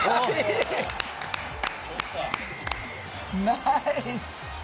ナイス！